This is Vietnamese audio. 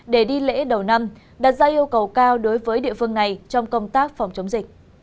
để đi lễ đầu năm đặt ra yêu cầu cao đối với địa phương này trong công tác phòng chống dịch